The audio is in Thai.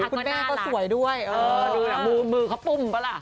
คุณแม่ก็สวยด้วยมือเขาปุ้มปะล่ะ